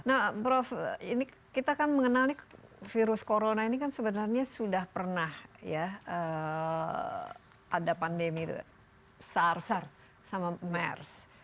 nah prof ini kita kan mengenali virus corona ini kan sebenarnya sudah pernah ya ada pandemi sar sars sama mers